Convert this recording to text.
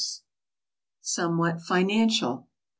SOMEWHAT FINANCIAL.